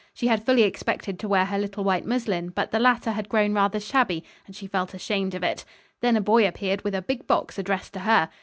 She had fully expected to wear her little white muslin, but the latter had grown rather shabby and she felt ashamed of it. Then a boy appeared with a big box addressed to her.